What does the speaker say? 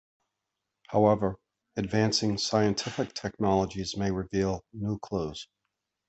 However, advancing scientific technologies may reveal new clues.